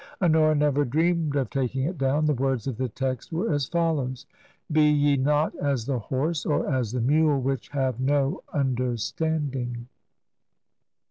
Honora never dreamed of taking it down. The words of the text were as follows :" Be ye not as the horse or as the mule, which have no under standing!'